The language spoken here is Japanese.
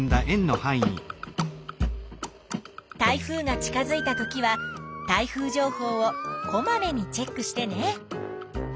台風が近づいたときは台風情報をこまめにチェックしてね。